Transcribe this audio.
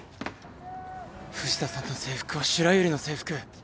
藤田さんの制服は白百合の制服。